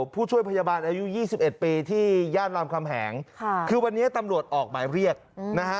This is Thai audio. ผู้ช่วยพยาบาลอายุ๒๑ปีที่ย่านรามคำแหงค่ะคือวันนี้ตำรวจออกหมายเรียกนะฮะ